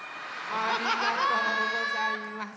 ありがとうございます。